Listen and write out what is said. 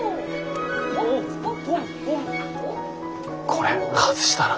これ外したら。